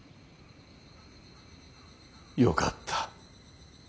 よかった。